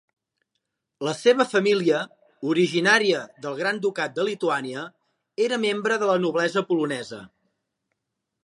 La seva família, originària del Gran Ducat de Lituània, era membre de la noblesa polonesa.